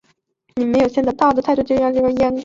泊村国后岛南部区域。